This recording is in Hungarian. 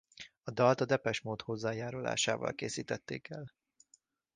A dalt a Depeche Mode hozzájárulásával készítették el.